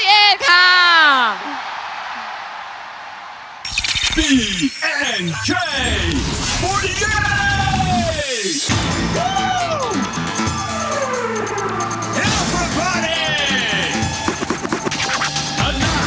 เอาล่ะเรียบร้อย